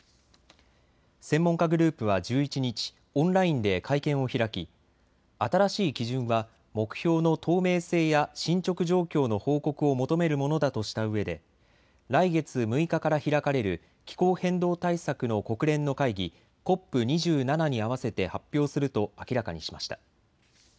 専門家グループは１１日、オンラインで会見を開き新しい基準は目標の透明性や進捗状況の報告を求めるものだとしたうえで来月６日から開かれる気候変動対策の国連の会議、ＣＯＰ２７にあわせて発表すると明らかにしました。